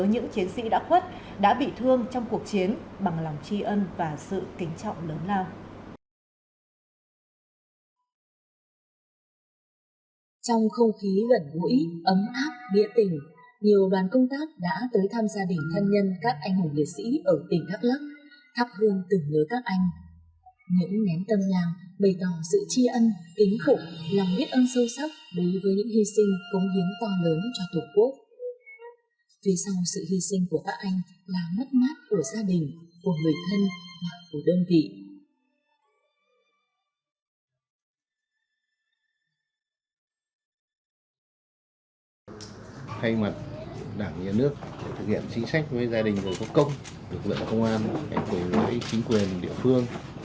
những chiến sĩ đã khuất đã bị thương trong cuộc chiến bằng lòng tri ân và sự tính trọng lớn lao